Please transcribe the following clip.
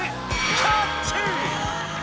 キャッチ！